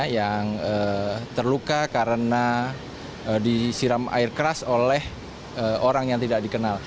yang terluka karena disiram air keras oleh orang yang tidak dikenal